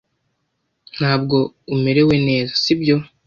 Ntabwo umerewe neza, si byo?